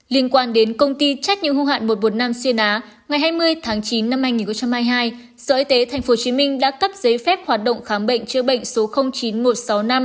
liên quan đến công ty trách nhiệm hưu hạn một trăm một mươi năm xuyên á ngày hai mươi tháng chín năm hai nghìn hai mươi hai sở y tế tp hcm đã cấp giấy phép hoạt động khám bệnh chữa bệnh số chín một trăm sáu mươi năm